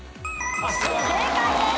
正解です！